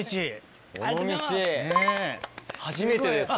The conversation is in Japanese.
初めてです。